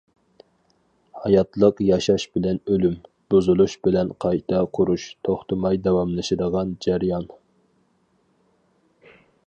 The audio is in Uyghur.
ھاياتلىق ياشاش بىلەن ئۆلۈم، بۇزۇلۇش بىلەن قايتا قۇرۇش توختىماي داۋاملىشىدىغان جەريان.